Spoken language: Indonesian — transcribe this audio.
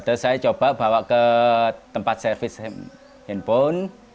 terus saya coba bawa ke tempat servis handphone